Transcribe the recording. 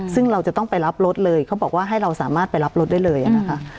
ซึ่งเราจะต้องไปรับรถเลยเขาบอกว่าให้เราสามารถไปรับรถได้เลยนะคะ